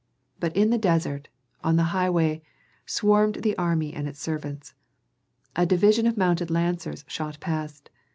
But in the desert, on the highway, swarmed the army and its servants. A division of mounted lancers shot past.